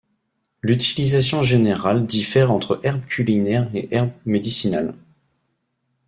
L'utilisation générale diffère entre herbes culinaires et herbes médicinales.